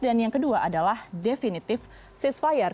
dan yang kedua adalah definitive ceasefire